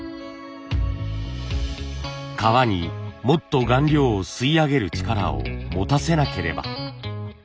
革にもっと顔料を吸い上げる力を持たせなければ。